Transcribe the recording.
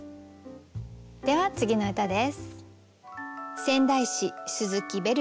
では次の歌です。